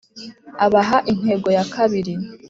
abaha intego ya kabiri.